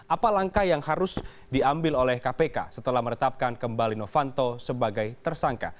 apa langkah yang harus diambil oleh kpk setelah meretapkan kembali novanto sebagai tersangka